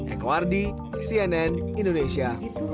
eko ardi cnn indonesia